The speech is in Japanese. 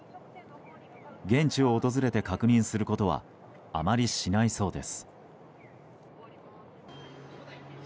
現地を訪れて確認することはあまりしないそうです。